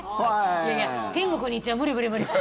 いや、天国に行っちゃう無理無理。